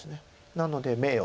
なので眼を。